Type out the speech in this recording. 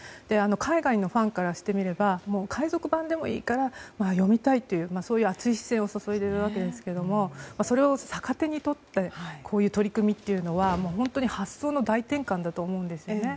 海外のファンからしてみれば海賊版でもいいから読みたいという熱い視線を注いでいるわけですけどもそれを逆手にとってこういう取り組みというのは本当に発想の大転換だと思うんですね。